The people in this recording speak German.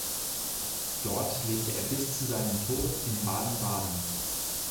Dort lebte er bis zu seinem Tod in Baden-Baden.